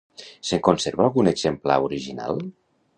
Se'n conserva algun exemplar original?